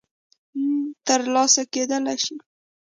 م ترلاسه کېدلای شي